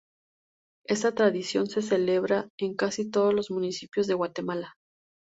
Esta tradición se celebra en casi todos los municipios de Guatemala.